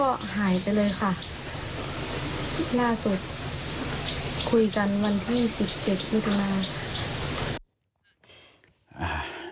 ล่าสุดคุยกันวันที่๑๗วิทยาลัย